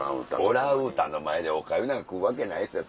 オランウータンの前でお粥なんか食うわけないですよ。